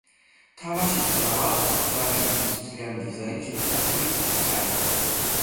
თამაშის ძრავა და თითქმის მთლიანი დიზაინი შექმნა ტიმ კაენმა.